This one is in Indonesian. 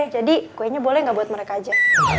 jadi kuenya boleh gak buat mereka aja